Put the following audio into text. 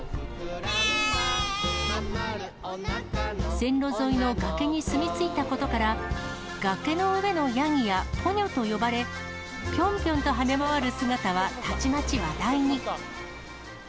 線路沿いの崖に住み着いたことから、崖の上のヤギやポニョと呼ばれ、ぴょんぴょんと跳ね回る姿は、たちまち話題に。